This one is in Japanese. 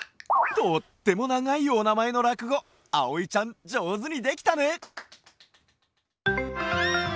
とってもながいおなまえのらくごあおいちゃんじょうずにできたね！